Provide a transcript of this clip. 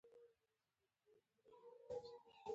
قومونه د یو کس په خوله نه غږېږي.